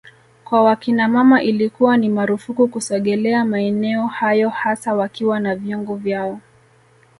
kwa wakinamama ilikuwa ni marufuku kusogelea maeneo hayo hasa wakiwa na vyungu vyao